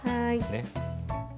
ねっ。